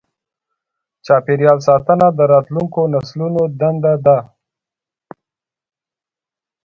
چاپېریال ساتنه د راتلونکو نسلونو دنده ده.